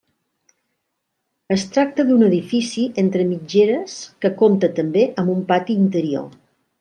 Es tracta d'un edifici entre mitgeres que compta també amb un pati interior.